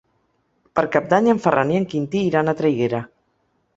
Per Cap d'Any en Ferran i en Quintí iran a Traiguera.